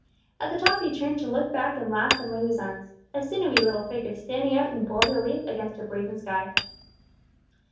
At the top he turned to look back and laugh and wave his arms, a sinewy little figure standing out in bold relief against a brazen sky.